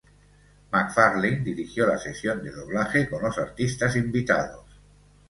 MacFarlane dirigió la sesión de doblaje con los artistas invitados.